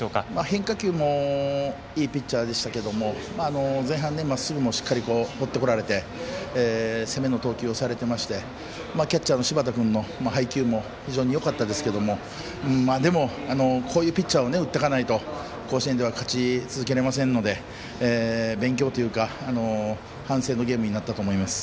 変化球もいいピッチャーでしたが前半まっすぐもしっかり放ってこられて攻めの投球をされていましてキャッチャーの柴田君の配球もよかったですがでも、こういうピッチャーを打っていかないと甲子園では勝ち続けられませんので勉強というか、反省のゲームになったと思います。